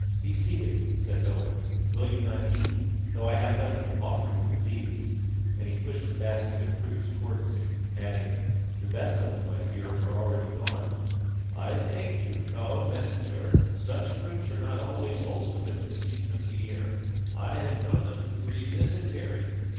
"Be seated," said Owen. "Will you not eat? though I have nothing to offer you but these," and he pushed the basket of fruits towards him, adding, "The best of them, I fear, are already gone." "I thank you, no, Messenger; such fruits are not always wholesome at this season of the year. I have known them to breed dysentery."